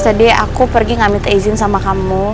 tadi aku pergi ngambil izin sama kamu